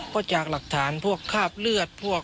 ก็จากหลักฐานพวกคราบเลือดพวก